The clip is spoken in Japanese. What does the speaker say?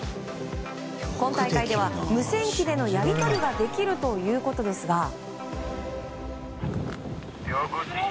今大会では無線機でのやり取りができるということですが。